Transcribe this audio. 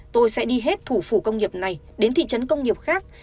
tôi sẽ đi hết thủ phủ công nghiệp này đến thị trấn công nghiệp khác